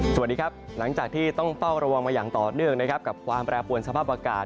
สวัสดีครับหลังจากที่ต้องเฝ้าระวังมาอย่างต่อเนื่องนะครับกับความแปรปวนสภาพอากาศ